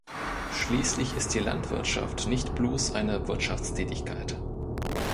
Schließlich ist die Landwirtschaft nicht bloß eine Wirtschaftstätigkeit.